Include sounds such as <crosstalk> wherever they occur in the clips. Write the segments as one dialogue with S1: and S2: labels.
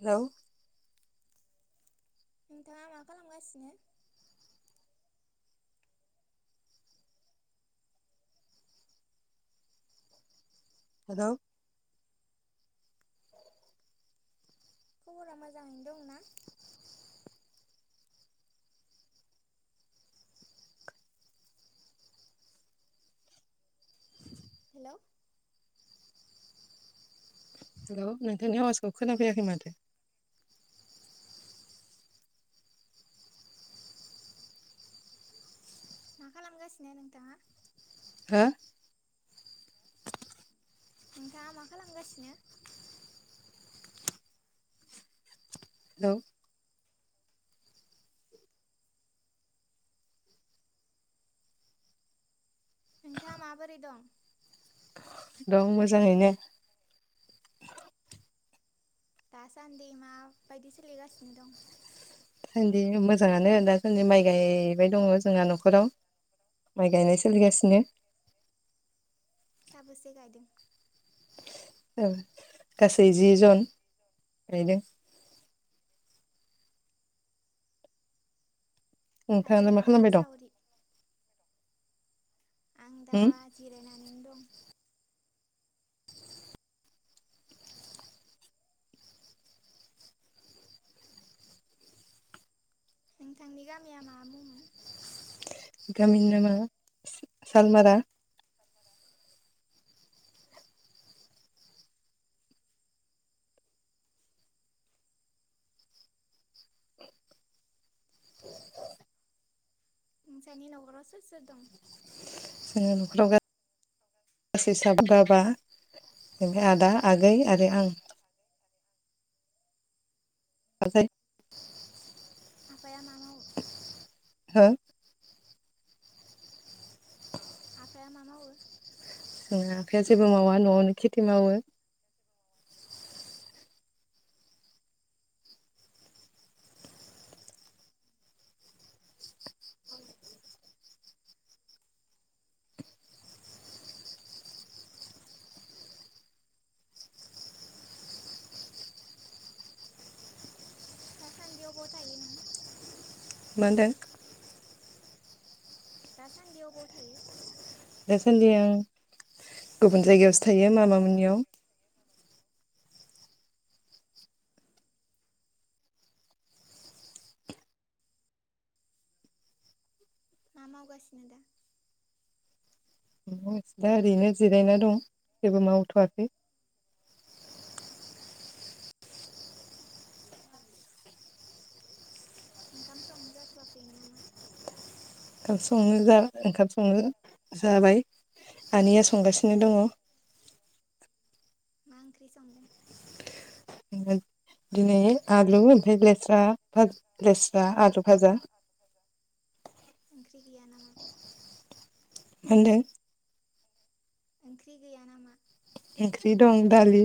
S1: Hello
S2: नोंथाङा मा खालामगासिनो?
S1: हेलौ
S2: खबरा मोजाङैनो दंना? हेल'
S1: हेल' नोंथांनि आवाजखौ खोनाफैयाखै माथो
S2: मा खालामगासिनो नोंथाङा।
S1: हो
S2: नोंथाङा मा खालामगासिनो।
S1: हेल'
S2: नोंथाङा माबोरै दं?
S1: दं मोजाङैनो।
S2: दासान्दि माबायदि सोलिगासिनो दं?
S1: दासान्दि मोजाङानो दासान्दि माइ गायबाय दङ जोंहा न'खराव माइ गायनाय सोलिगासिनो।
S2: साबोसे गायदों।
S1: औ गासै जि जन गायदोंं नोंथाङालाय
S2: हाजिरा
S1: मा
S2: ना
S1: खालामबाय दं।
S2: सावरि आं दा
S1: उम
S2: जिरनानै दं नोंथांनि गामिया मा मुंमोन?
S1: गामिनि नामा सालमारा
S2: नोंसानि नगराव सोर सोर दं
S1: जोङो न'खराव गासै साबा बाबा ओमफाय आदा आगै आरो आं। बाजै
S2: आफाया मा मावो
S1: हो
S2: मा मावो
S1: जोंना आफाया जेबो मावा न'आवनो खेथि मावो।
S2: दासान्दियाव ब' थायो नों
S1: मोनदों
S2: दासान्देआव बाव थायो
S1: दासान्दि आं गुबुन जायगायावसो थायो मामा मोननियाव
S2: मा मावगासिनो दों
S1: दा ओरैनो जिरायना दं जेबो मावथ'वाखै
S2: ओंखाम संनो जाथ'वाखै नामा?
S1: ओंखाम संनो जा ओंखाम संनो जाबाय आनैया संगासिनो दङ।
S2: मा ओंख्रि संदों?
S1: दिनै आलु ओमफ्राय लेस्रा लेस्रा आलु भाजा
S2: ओंख्रि गैया नामा?
S1: होनदो
S2: ओंख्रि गैया नामा?
S1: ओंख्रि दं दालि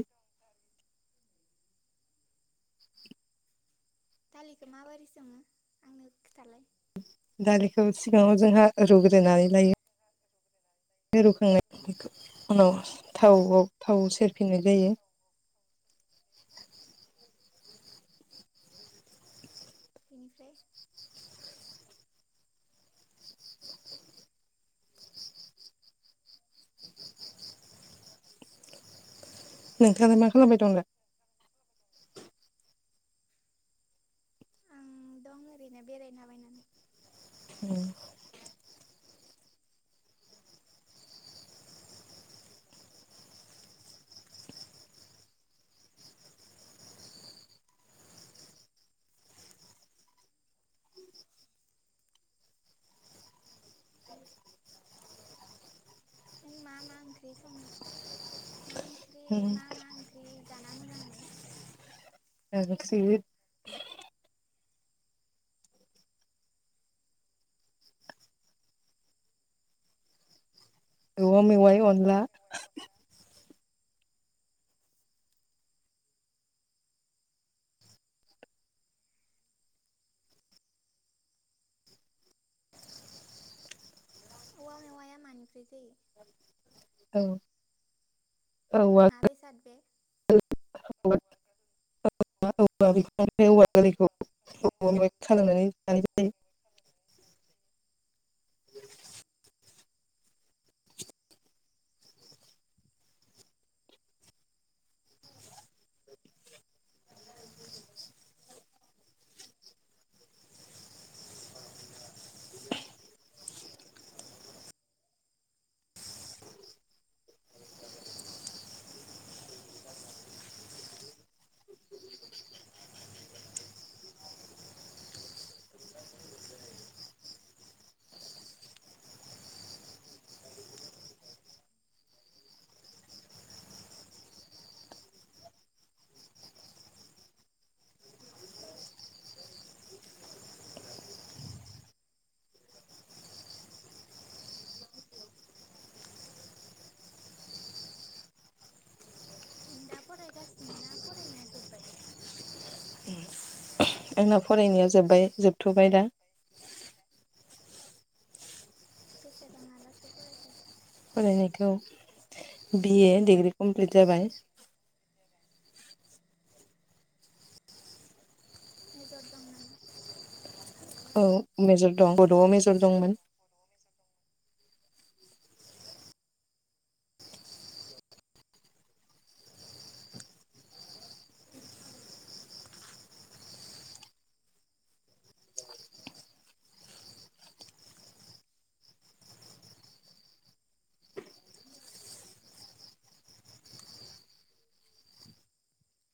S2: दालिखौ माबोरै सङो आंनो खोथालाय?
S1: दालिखौ सिगाङाव जोंहा रुग्रोनानै लायो। रुखांनाय उनाव थावआव थाव सेरफिननाय जायो।
S2: बेनिफ्राय
S1: नोंथाङा मा खालामबाय दं दा
S2: आं दं ओरैनो बेरायना बायनानै
S1: उ
S2: नों मा मा ओंख्रि सं म मा ओंख्रि मा मा ओंख्रि जाना मोजां मोनो?
S1: गासैबो औवा मेवाय
S2: हेलौ
S1: अनला
S2: औवा मेवाया मानिफ्राय जायो
S1: औ औवा
S2: मा बेसाद बे
S1: औवा <unintelligible>
S2: नों दा फरायगासिनो ना फरायनाया जोबबाय
S1: आंना फरायनाया जोब्बाय जोबथ'बाय दा
S2: बेसेबाङालासे फरायखो
S1: फरायनायखौ बि ए डिग्रि कमप्लिट जाबाय
S2: मेजर दं नामा
S1: औ मेजर दं बद'आव मेजर दंमोन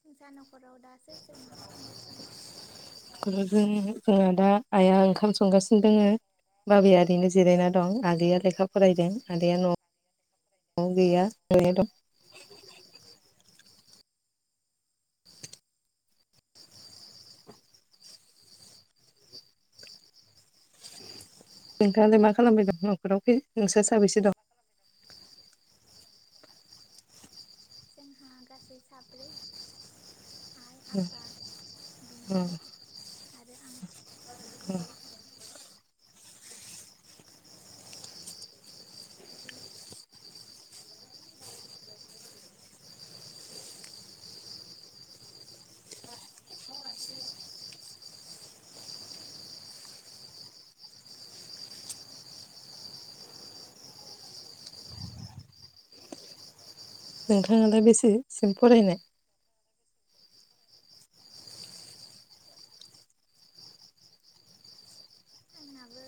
S2: नोंसा न'खराव दा सोर सोर मा खालामगासिनो
S1: जोंहा दा आइआ ओंखाम संगासिनो दोङो बाबाया ओरैनो जिरायना दं आगैया लेखा फरायदों आदाया न' न'आव गैया दं नोंथालाय मा खालामबाय दं न'खराव फै नोंसोर साबैसे दं
S2: जोंहा गासै साब्रै आइ आफा बिनानाव आरो आं
S1: नोंथाङा दा बेसेसिम फरायनाय
S2: आंनाबो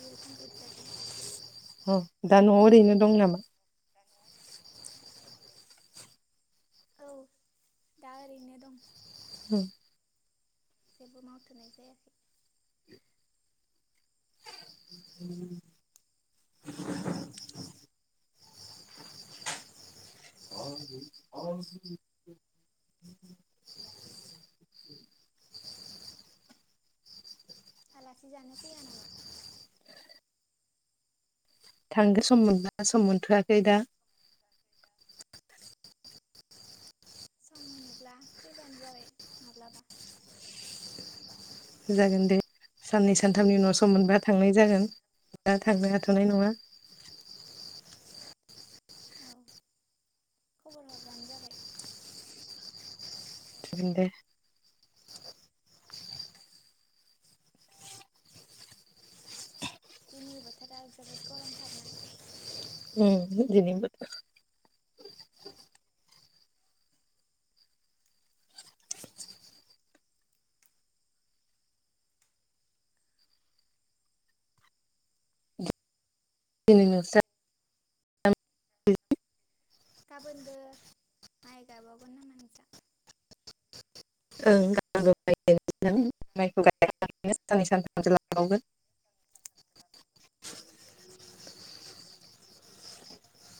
S2: बिए कमप्लिट जाबाय
S1: अ दा नआव ओरैनो दं नामा
S2: औ दा ओरैनो दं
S1: <inaudible>
S2: जेबो मावथनाय जायाखै
S1: <unintelligible> <inaudible>
S2: आलासि जानो फैया नामा
S1: थांगोन सम मोनब्लाा सम मोनथआखै दा
S2: सम मोनोब्ला फैबानो जाबाय माब्लाबा
S1: जागोन दे साननै सानथामनि उनाव सम मोनबा थांनाय जागोन दा थांनो हाथनाय नङा
S2: औ खबर हरबानो जाबाय
S1: जागोन दे
S2: दिनै बोथोरा जोबोद गरमथारना
S1: उम बिदिनो बोथोर <unintelligible>
S2: गाबोनबो माइ गायबावगोन नामा नोंसा
S1: ओं गाबोन बो माइखौ गाय <inaudible> साननै सानथामसो लांबावगोन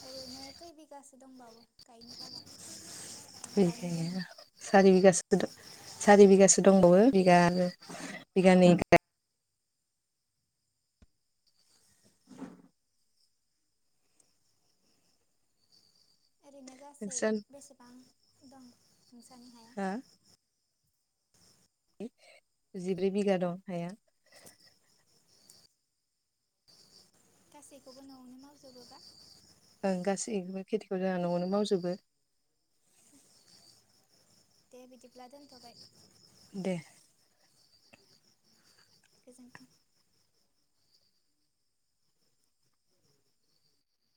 S2: ओरैनो खै बिगासो दंबावो गायनो लागा गायनो गोनां
S1: बिगाया सारि बिगासो दं सारि बिगासो दंबावो बिगा आरो बिगानै
S2: ओरैनो गासै
S1: नोंस्रा
S2: बेसेबां दं नोंसानि हाया
S1: हा? जिब्रै बिगा दं हाया
S2: गासैखौबो नआवनो मावजोबोबा
S1: ओं गासैबो खेथिखौ जोंहा नआवनो मावजोबो
S2: <unintelligible> दे बिदिब्ला दोनथ'बाय
S1: दे
S2: गोजोन्थों